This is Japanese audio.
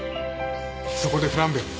そこでフランベを